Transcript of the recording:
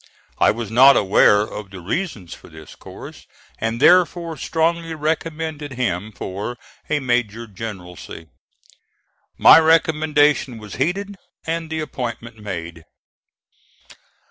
I was not aware of the reasons for this course, and therefore strongly recommended him for a major generalcy. My recommendation was heeded and the appointment made.